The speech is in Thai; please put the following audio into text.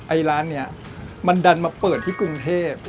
ไอ้ร้านนี้มันดันมาเปิดที่กรุงเทพ